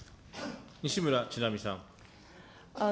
西村智奈美さん。